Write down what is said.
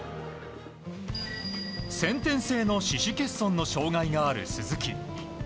先天性の四股欠損の障害がある鈴木。